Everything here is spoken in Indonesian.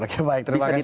oke baik terima kasih